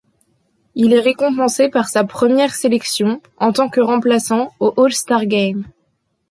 Il est récompensé par sa première sélection, en tant que remplaçant, au All-Star Game.